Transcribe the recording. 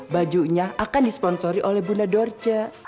bajunya akan disponsori oleh bunda dorce